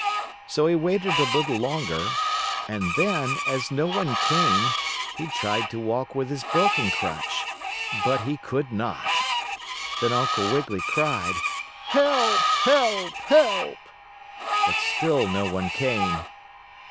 So he waited a little longer, and then, as no one came, he tried to walk with his broken crutch. But he could not. Then Uncle Wiggily cried: "Help! Help! Help!" but still no one came.